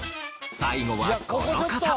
最後はこの方。